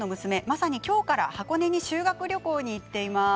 まさに今日から箱根に修学旅行に行っています。